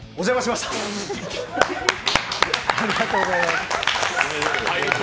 ありがとうございます。